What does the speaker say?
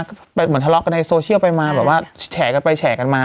ก็เหมือนทะเลาะกันในโซเชียลไปมาแบบว่าแฉกันไปแฉกันมา